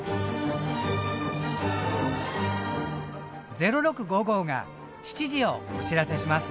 「０６」が７時をお知らせします。